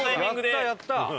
やったやった！